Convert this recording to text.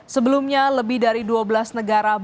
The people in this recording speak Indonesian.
sebelumnya lebih dari dua belas negara berkembang